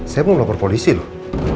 saya mau lapor polisi loh